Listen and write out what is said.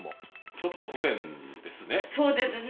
ちょっと不便ですね。